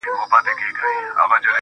هم راته اړین وبریښیدل